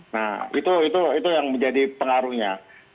nah itu yang menjadi pengaruhnya